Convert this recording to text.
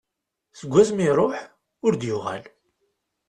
Seg wasmi i iruḥ ur d-yuɣal.